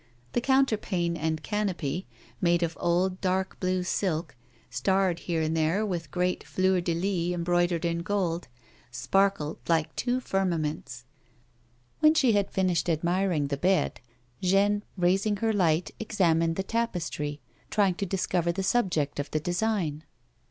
The counterpane and canopy, made of old dark blue silk, staiTed here and there with great flmrs de lis embroidered in gold, sparkled like two firmameuts. "When she had finished admiring the bed, Jeanne, raising her light, examined the tapestry, trying to discover the sub ject of the design.